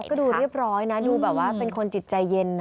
ก็ดูเรียบร้อยนะดูแบบว่าเป็นคนจิตใจเย็นนะ